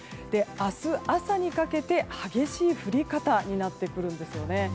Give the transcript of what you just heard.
明日朝にかけて激しい降り方になってくるんですね。